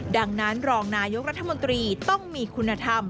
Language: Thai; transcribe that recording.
ดังนั้นรองนายกรัฐมนตรีต้องมีคุณธรรม